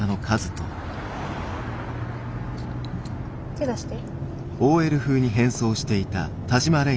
手出して。